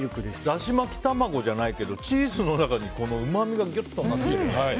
だし巻き卵じゃないけどチーズの中にうまみがギュッとなってて。